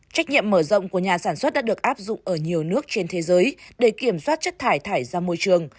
trách nhiệm mở rộng của nhà sản xuất đã được áp dụng ở nhiều nước trên thế giới để kiểm soát chất thải thải ra môi trường